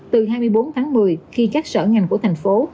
từ hai mươi bốn tháng một mươi khi các sở ngành của thành phố